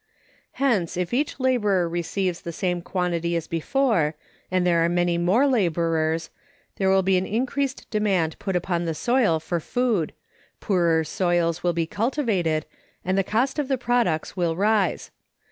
Hence, if each laborer receives the same quantity as before, and there are many more laborers, there will be an increased demand put upon the soil for food, poorer soils will be cultivated, and the cost of the products will rise.